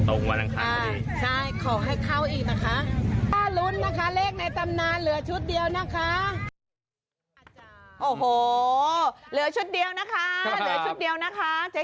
โอ้โหเหลือชุดเดียวนะคะเหลือชุดเดียวนะคะเจ๊เกียวค่ะ